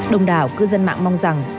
đồng đảo cư dân mạng mong rằng